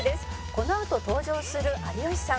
「このあと登場する有吉さん